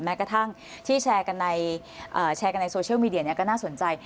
แม้กระทั่งที่แชร์กันในโซเชียลมีเดียนเนี่ยก็น่าสนใจ